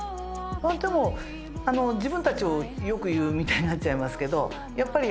でも自分たちを良く言うみたいになっちゃいますけどやっぱり。